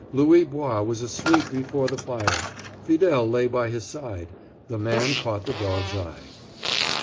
Louis Bois was asleep before the fire. Fidele lay by his side. The man caught the dog's eye.